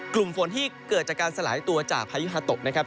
กลุ่มฝนที่เกิดจากการสลายตัวจากพายุฮาตกนะครับ